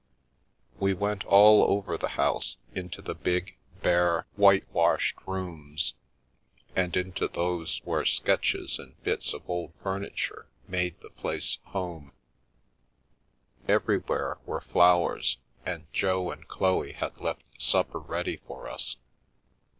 We went all over the house, into the big, bare, white 333 The Milky Way washed rooms, ai%^gto those where sketches and bits of old furniture made the place home; everywhere were flowers, and Jo and Chloe had left supper ready for us.